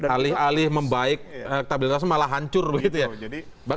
alih alih membaik elektabilitasnya malah hancur begitu ya